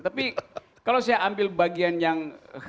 tapi kalau saya ambil bagian yang